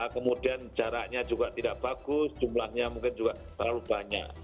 kemudian jaraknya juga tidak bagus jumlahnya mungkin juga terlalu banyak